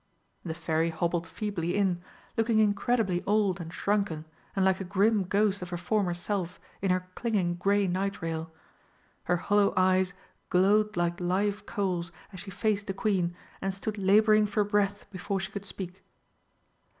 The Fairy hobbled feebly in, looking incredibly old and shrunken, and like a grim ghost of her former self in her clinging grey night rail. Her hollow eyes glowed like live coals as she faced the Queen, and stood labouring for breath before she could speak.